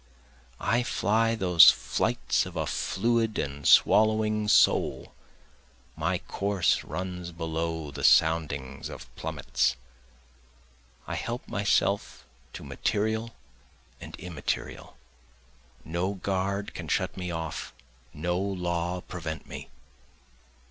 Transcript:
I fly those flights of a fluid and swallowing soul, My course runs below the soundings of plummets. I help myself to material and immaterial, No guard can shut me off, no law prevent me.